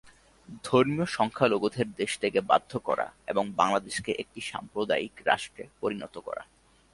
ধর্মীয় সংখ্যালঘুদের দেশত্যাগে বাধ্য করা এবং বাংলাদেশকে একটি সাম্প্রদায়িক রাষ্ট্রে পরিণত করা।